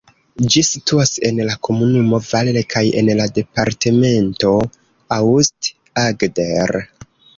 Ĝi situas en la komunumo Valle kaj en la departemento Aust-Agder.